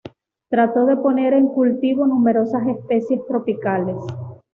Trató de poner en cultivo numerosas especies tropicales.